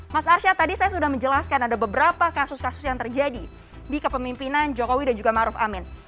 mas arsyad tadi saya sudah menjelaskan ada beberapa kasus kasus yang terjadi di kepemimpinan jokowi dan juga maruf amin